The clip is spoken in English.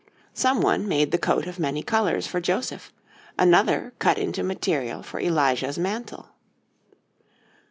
Someone made the coat of many colours for Joseph, another cut into material for Elijah's mantle.